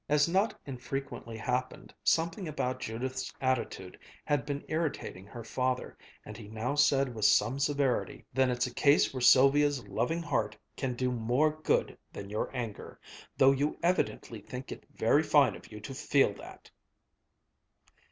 As not infrequently happened, something about Judith's attitude had been irritating her father, and he now said with some severity, "Then it's a case where Sylvia's loving heart can do more good than your anger, though you evidently think it very fine of you to feel that!"